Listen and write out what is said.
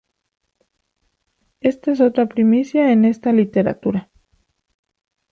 Esta es otra "primicia" en esta literatura.